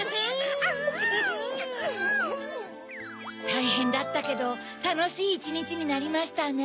たいへんだったけどたのしいいちにちになりましたね！